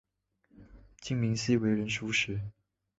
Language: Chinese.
金珉锡为人熟识。